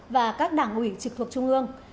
và các đảng ủy trực thuộc trung ương